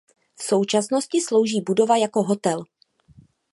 V současnosti slouží budova jako hotel.